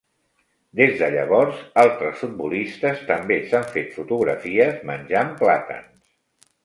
Des de llavors, altres futbolistes també s'han fet fotografies menjant plàtans.